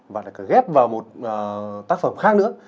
và gép vào một tác phẩm khác nữa